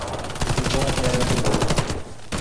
It is not navigable.